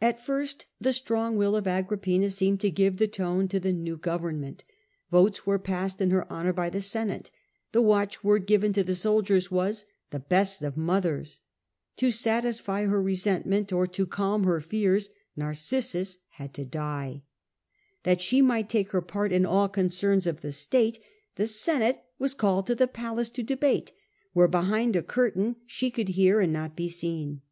At first the strong will of Agrippina seemed to give the tone to the new government. Votes were passed in her honour by the Senate; the watchword given to the His mother soldiers was, ' The best of mothers.' To satisfy trSd^S' fust resentment or to calm her fears Narcissus to govern, had to die. That she might take her part in all concerns of state the Senate was called to the palace to debate, where behind a curtain she could hear and not be seen.